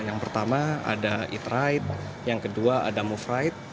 yang pertama ada eat right yang kedua ada move right